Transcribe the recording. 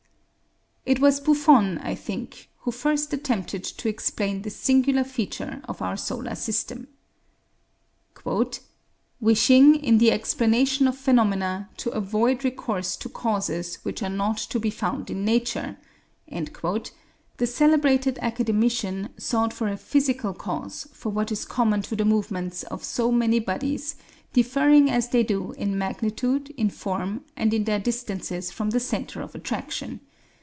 It was Buffon, I think, who first attempted to explain this singular feature of our solar system. "Wishing, in the explanation of phenomena, to avoid recourse to causes which are not to be found in nature," the celebrated academician sought for a physical cause for what is common to the movements of so many bodies differing as they do in magnitude, in form, and in their distances from the centre of attraction.